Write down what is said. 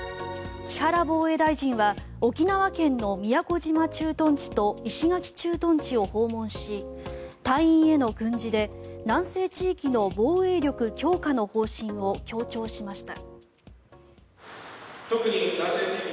木原防衛大臣は沖縄県の宮古島駐屯地と石垣駐屯地を訪問し隊員への訓示で南西地域の防衛力強化の方針を強調しました。